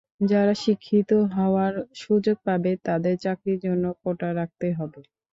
যারা শিক্ষিত হওয়ার সুযোগ পাবে, তাদের চাকরির জন্য কোটা রাখতে হবে।